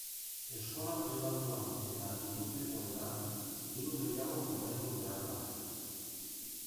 Eskola pribatuan eta itunpekoetan diru gehiago ordaindu behar da.